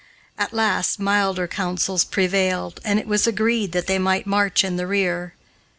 At last milder counsels prevailed, and it was agreed that they might march in the rear.